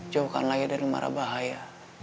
jauhkan lagi dari marah bahaya